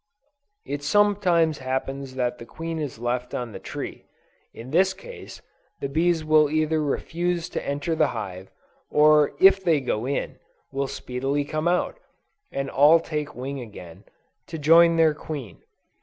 It sometimes happens that the queen is left on the tree: in this case, the bees will either refuse to enter the hive, or if they go in, will speedily come out, and all take wing again, to join their queen.